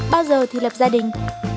bao giờ thi lập gia đình